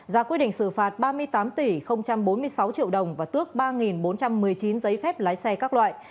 ra quyết định xử phạt ba mươi tám tỷ bốn mươi sáu triệu đồng và tước ba bốn trăm một mươi chín giấy phép lái xe các loại